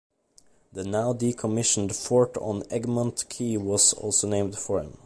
The now decommissioned fort on Egmont Key was also named for him.